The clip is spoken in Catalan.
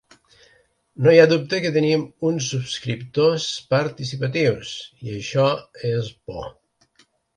No hi ha dubte que tenim uns subscriptors participatius i això és bo.